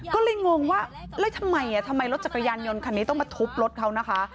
ก็เลยงงว่าแล้วทำไมทำไมรถจักรยานยนต์คันนี้ต้องมาทุบรถเขานะคะ